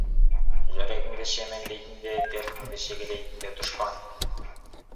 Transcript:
Жүрегіңді шемендейтін де, дертіңді шегелейтін де дұшпан.